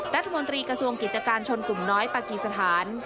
รัฐมนตรีกระทรวงกิจการชนกลุ่มน้อยปากีสถาน